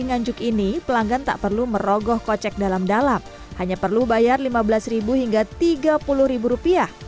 nganjuk ini pelanggan tak perlu merogoh kocek dalam dalam hanya perlu bayar rp lima belas hingga